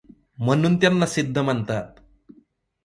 म्हणून त्यांना सिद्ध म्हणतात.